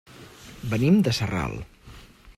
Venim de Sarral.